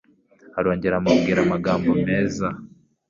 Arongera amubwira amagambo meza